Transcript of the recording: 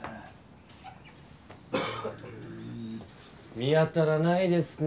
見当たらないですね。